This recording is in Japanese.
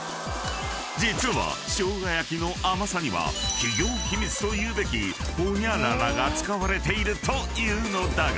［実はしょうが焼の甘さには企業秘密と言うべきホニャララが使われているというのだが］